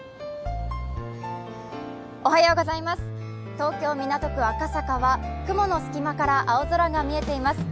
東京・港区赤坂は雲の隙間から青空が見えています。